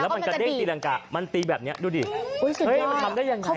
มันกระเด้งตีรังกามันตีแบบนี้ดูดิเฮ้ยมันทำได้ยังไง